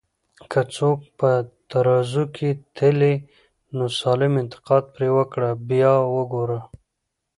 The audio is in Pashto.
که څوک په ترازو کي تلې، نو سالم انتقاد پرې وکړه بیا وګوره